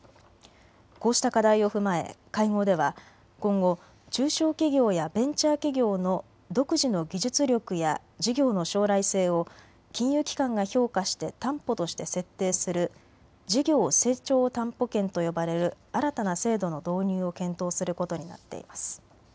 こうした課題を踏まえ会合では今後、中小企業やベンチャー企業の独自の技術力や事業の将来性を金融機関が評価して担保として設定する事業成長担保権と呼ばれる新たな制度の導入を検討することになっています。